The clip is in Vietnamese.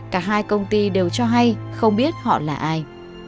cả hai công ty đều cho hay không biết họ là ai